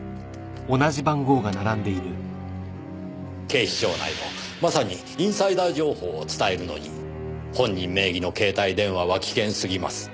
警視庁内のまさにインサイダー情報を伝えるのに本人名義の携帯電話は危険すぎます。